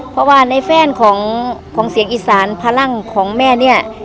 เพราะว่าในแฟนของเสียงอีสานพลังของแม่เนี่ย